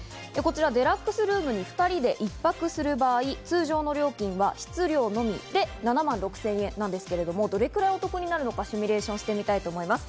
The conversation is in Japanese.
デラックスルームに２人で１泊する場合、通常の料金は室料のみで７万６０００円なんですけど、どれくらいお得なのかシミュレーションしてみたいと思います。